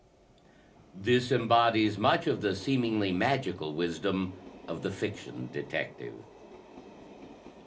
This embodies much of the seemingly magical wisdom of the fiction detective.